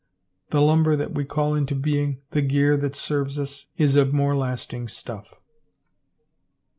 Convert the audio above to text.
The lumber that we call into being, the gear that serves us, is of more lasting stuff."